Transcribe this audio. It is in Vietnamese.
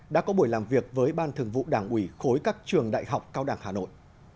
đã có buổi làm việc với ban thường vụ đảng ủy khối các trường đại học cao đẳng hà nội